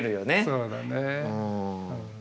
そうだね。